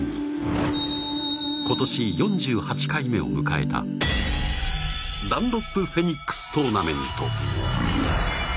今年４８回目を迎えたダンロップフェニックストーナメント。